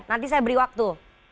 nanti saya beri waktu